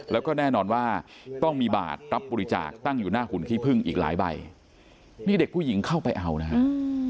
แล้วก็แน่นอนว่าต้องมีบาทรับบริจาคตั้งอยู่หน้าหุ่นขี้พึ่งอีกหลายใบนี่เด็กผู้หญิงเข้าไปเอานะครับ